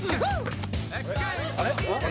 「あれ？」